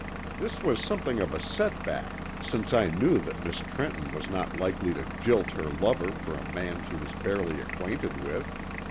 This was something of a set back, since I knew that Miss Trenton was not likely to jilt her lover for a man she was barely acquainted with.